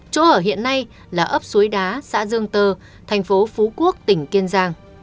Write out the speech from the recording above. chỗ ở hiện nay là ấp suối đá xã dương tơ thành phố phú quốc tỉnh kiên giang